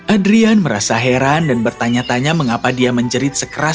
adrian merasa heran dan bertanya tanya mengapa dia menjerit sekeras